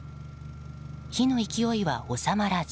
火の勢いは収まらず。